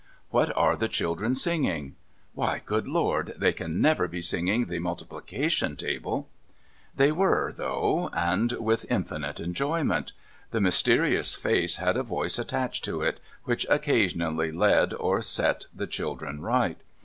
What are the children singing ? AVhy, good Lord, they can never be singing the multiplication table ?' They were, though, and with infinite enjoyment. The mysterious face had a voice attached to it, which occasionally led or set the children right.